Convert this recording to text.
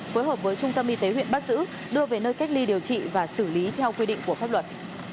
phối hợp với trung tâm y tế huyện bắt giữ đưa về nơi cách ly điều trị và xử lý theo quy định của pháp luật